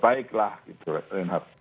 baiklah gitu reinhardt